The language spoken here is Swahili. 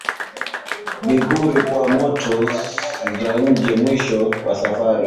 vipuri kwa motors za nje mwisho wa safari